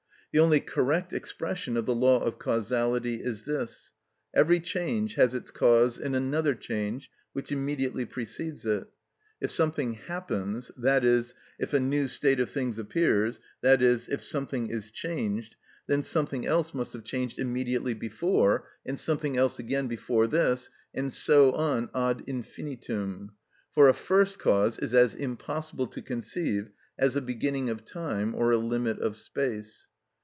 The only correct expression of the law of causality is this: Every change has its cause in another change which immediately precedes it. If something happens, i.e., if a new state of things appears, i.e., if something is changed, then something else must have changed immediately before, and something else again before this, and so on ad infinitum, for a first cause is as impossible to conceive as a beginning of time or a limit of space.